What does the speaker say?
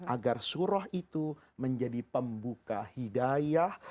agar surah itu menjadi pembuka hidayah